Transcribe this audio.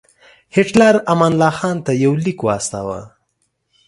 هیټلر امان الله خان ته یو لیک واستاوه.